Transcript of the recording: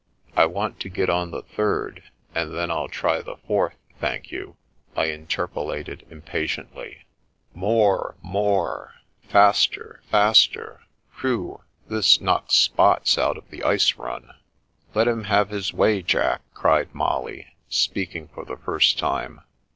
" I want to get on the third, and then I'll try the fourth, thank you," I interpolated impatiently. *' More — morel Faster, faster! Whew, this knocks spots out of the Ice Run I "" Let him have his way, Jack," cried Molly, speaking for the first time.